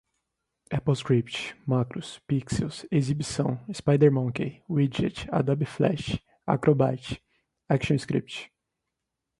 applescript, macros, pixels, exibição, spidermonkey, widget, adobe flash, acrobrat, actionscript